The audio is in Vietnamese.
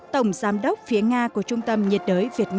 tổng giám đốc phía nga của trung tâm nhiệt đới việt nga